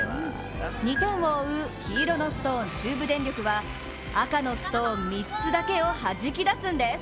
２点を追う黄色のストーン、中部電力は赤のストーン３つだけを弾き出すんです。